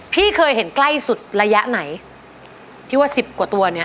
พี่เคยเห็นใกล้สุดระยะไหนที่ว่าสิบกว่าตัวเนี้ย